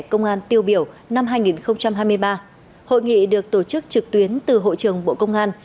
công an tiêu biểu năm hai nghìn hai mươi ba hội nghị được tổ chức trực tuyến từ hội trưởng bộ công an